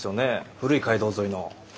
古い街道沿いの。